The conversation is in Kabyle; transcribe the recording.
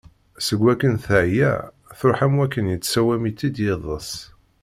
Seg wakken teɛya, truḥ am wakken yettsawam-itt-id yiḍeṣ.